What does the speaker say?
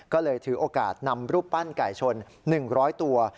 ก็เลยถือโอกาสนำรูปปั้นไก่ชน๑๐๐ตัว